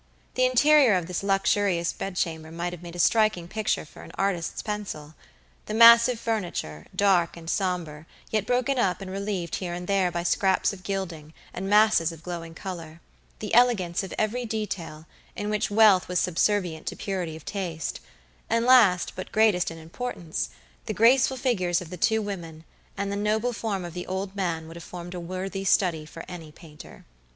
The interior of this luxurious bedchamber might have made a striking picture for an artist's pencil. The massive furniture, dark and somber, yet broken up and relieved here and there by scraps of gilding, and masses of glowing color; the elegance of every detail, in which wealth was subservient to purity of taste; and last, but greatest in importance, the graceful figures of the two women, and the noble form of the old man would have formed a worthy study for any painter.